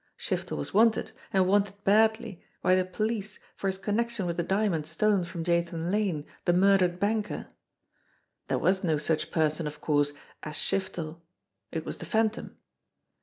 Shiftel was wanted, and wanted badly, by the police for his con nection with the diamonds stolen from Jathan Lane, the murdered banker. There was no such person, of course, as Shiftel it was the Phantom.